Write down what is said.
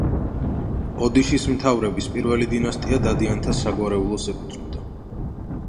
ოდიშის მთავრების პირველი დინასტია დადიანთა საგვარეულოს ეკუთვნოდა.